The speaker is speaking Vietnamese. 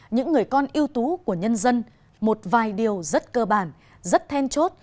những người con yêu tú của nhân dân một vài điều rất cơ bản rất then chốt